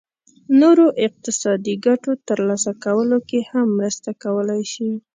نورو اقتصادي ګټو ترلاسه کولو کې هم مرسته کولای شي.